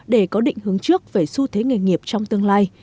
để có định hướng trước về xu thế nghề nghiệp trong tương lai